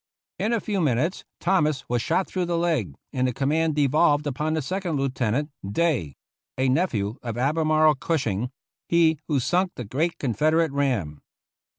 In 95 THE ROUGH RIDERS a few minutes Thomas was shot through the leg, and the command devolved upon the Second Lieutenant, Day (a nephew of "Albemarle" Gushing, he who sunk the great Confederate ram).